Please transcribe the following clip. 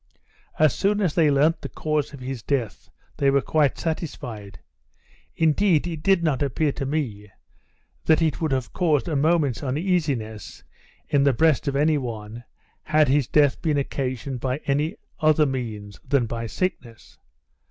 As soon as they learnt the cause of his death, they were quite satisfied; indeed, it did not appear to me, that it would have caused a moment's uneasiness in the breast of any one, had his death been occasioned by any other means than by sickness.